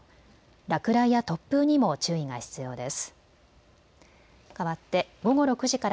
落雷や突風にも注意が必要です。